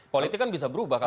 politik kan bisa berubah